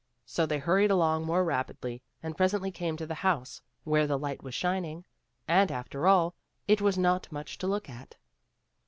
So they hurried along more rapidly, and presently came to the house where the light was shining ; and, after all, it was not much to look at.